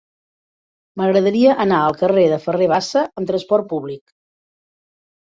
M'agradaria anar al carrer de Ferrer Bassa amb trasport públic.